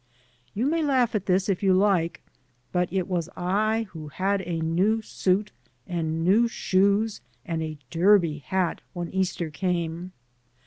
You may laugh at this if you like, but it was I who had a new suit and new shoes and a derby hat when Easter came.